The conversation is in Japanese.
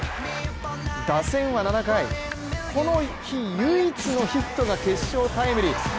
打線は７回、この日唯一のヒットが決勝タイムリー。